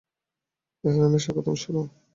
তেহরানে স্বাগতম, সোনা।